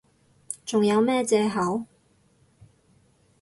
仲有咩藉口？